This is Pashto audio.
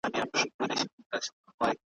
له خوب سره په مینه کي انسان په باور نه دی `